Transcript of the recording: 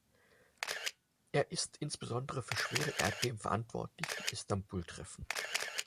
Er ist insbesondere für schwere Erdbeben verantwortlich, die Istanbul treffen.